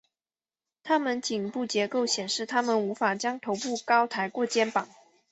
它们颈部结构显示它们无法将头部高抬过肩膀。